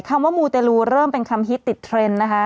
คำว่ามูเตรลูเริ่มเป็นคำฮิตติดเทรนด์นะคะ